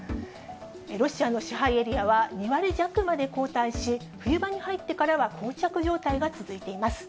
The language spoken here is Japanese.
ロシアの支配エリアは２割弱まで後退し、冬場に入ってからは、こう着状態が続いています。